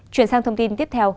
chuyển sang thông tin tiếp theo